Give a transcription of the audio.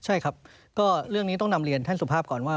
ใช่ครับก็เรื่องนี้ต้องนำเรียนท่านสุภาพก่อนว่า